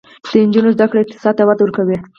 د نجونو زده کړه اقتصاد ته وده ورکوي.